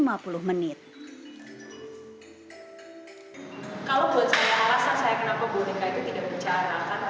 kalau buat saya alasan saya kenapa boneka itu tidak bercara